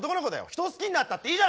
人を好きになったっていいじゃないか！